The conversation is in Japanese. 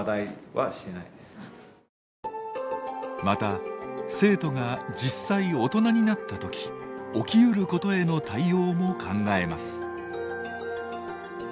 また生徒が実際大人になった時起きうることへの対応も考えます。